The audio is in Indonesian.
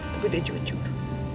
tapi dia jujur